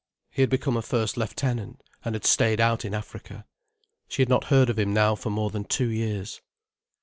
He had become a first lieutenant, and had stayed out in Africa. She had not heard of him now for more than two years.